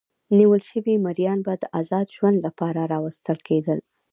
نیول شوي مریان به د ازاد ژوند لپاره راوستل کېدل.